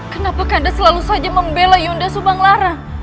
kenapa ganda selalu saja membela yunda subang lara